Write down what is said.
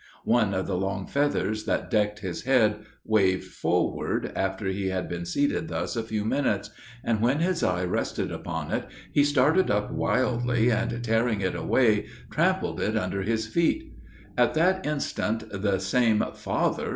One of the long feathers that decked his head waved forward, after he had been seated thus a few minutes, and when his eye rested upon it he started up wildly, and tearing it away, trampled it under his feet. At that instant the same "FATHER!"